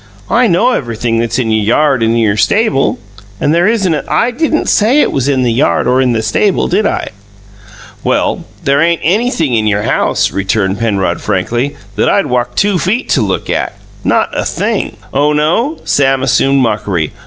"I know everything that's in your yard and in your stable, and there isn't a thing " "I didn't say it was in the yard or in the stable, did I?" "Well, there ain't anything in your house," returned Penrod frankly, "that I'd walk two feet to look at not a thing!" "Oh, no!" Sam assumed mockery.